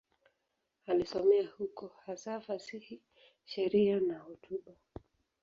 Alisomea huko, hasa fasihi, sheria na hotuba.